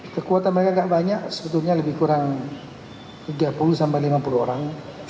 kekuatan mereka tidak banyak sebetulnya lebih kurang tiga puluh sampai lima puluh orang